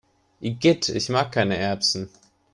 Igitt, ich mag keine Erbsen!